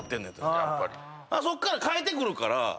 そっから変えてくる。